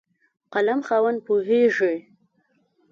قلم خاوند پوهېږي.